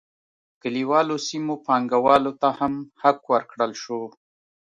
کلیوالو سیمو پانګوالو ته هم حق ورکړل شو.